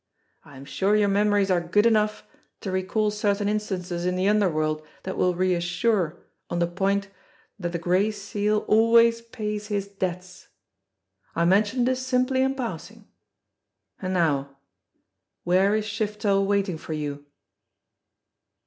I am sure your memories are good enough to recall certain instances in the underworld that will reassure on the point that the Gray Seal always pays his debts. I mention this simply in passing. And now where is Shiftel waiting for you?"